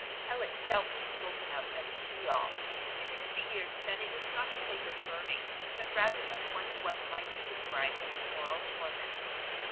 Hell itself was spoken of as She ol, and it appeared that it was not a place of burning, but rather of what one might describe as moral torment.